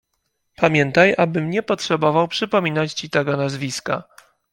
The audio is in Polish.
"Pamiętaj, abym nie potrzebował przypominać ci tego nazwiska."